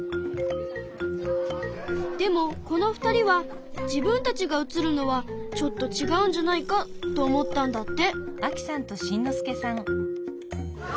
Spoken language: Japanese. でもこの２人は自分たちが写るのはちょっとちがうんじゃないかと思ったんだって。